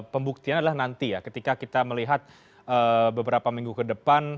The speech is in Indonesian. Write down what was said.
pembuktian adalah nanti ya ketika kita melihat beberapa minggu ke depan